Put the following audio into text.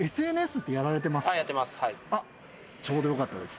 ちょうどよかったです。